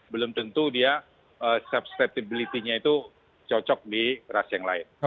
belum tentu dia subsceptability nya itu cocok di ras yang lain